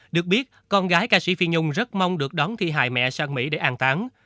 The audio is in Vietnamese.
được biết con gái ca sĩ phi nhung rất mong được đón thi hài mẹ sang mỹ để an tán